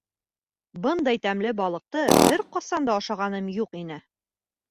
— Бындай тәмле балыҡты бер ҡасан да ашағаным юҡ ине.